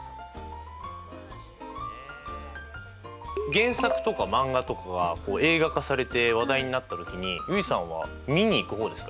原作とか漫画とかが映画化されて話題になった時に結衣さんはみに行く方ですか？